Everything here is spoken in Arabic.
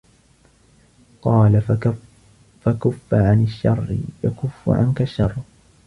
قَالَ فَكُفَّ عَنْ الشَّرِّ يَكُفَّ عَنْك الشَّرُّ